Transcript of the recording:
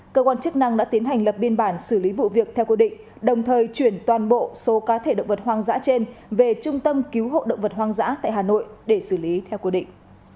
cơ quan chức năng đã tiến hành lập biên bản xử lý vụ việc theo quy định đồng thời chuyển toàn bộ số cá thể động vật hoang dã trên về trung tâm cứu hộ động vật hoang dã tại hà nội để xử lý theo quy định